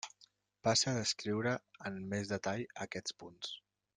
Passe a descriure en més detall aquests punts.